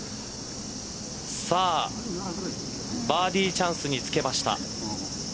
さあバーディーチャンスにつけました。